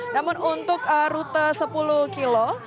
namun untuk rute sepuluh kilo